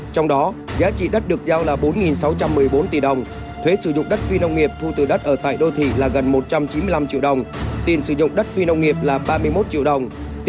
trong đó giá trị đất được giao là bốn sáu trăm một mươi bốn tỷ đồng thuế sử dụng đất phi nông nghiệp thu từ đất ở tại đô thị là gần một trăm chín mươi năm triệu đồng tiền sử dụng đất phi nông nghiệp là ba mươi một triệu đồng